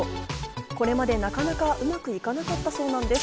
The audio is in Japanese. これまでなかなかうまくいかなかったそうなんです。